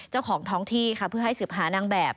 เจ้าของท้องที่ค่ะเพื่อให้สืบหานางแบบ